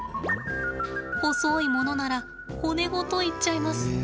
細いものなら骨ごといっちゃいます。